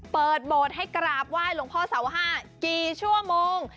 เปิดโบสถ์ให้กราบไหว้หลวงพ่อเสาห้ากี่ชั่วโมง